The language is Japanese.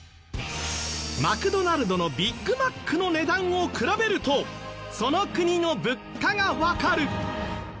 マクドナルドのビッグマックの値段を比べるとその国の物価がわかる！